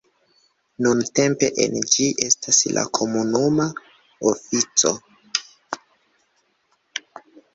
Nuntempe en ĝi estas la komunuma ofico.